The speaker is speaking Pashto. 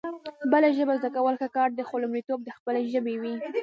بله ژبه زده کول ښه کار دی خو لومړيتوب د خپلې ژبې وي